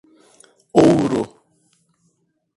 Ouro